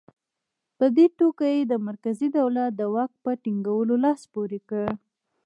په دې توګه یې د مرکزي دولت د واک په ټینګولو لاس پورې کړ.